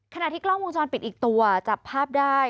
ขณะที่กล้องวงจรปิดอีกตัวจับภาพได้